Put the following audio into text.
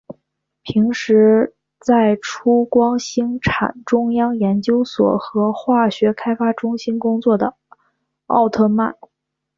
平时在出光兴产中央研究所和化学开发中心工作的奥特曼。